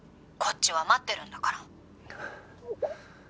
こっちは待ってるんだから」